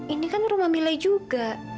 ini kan rumah mile juga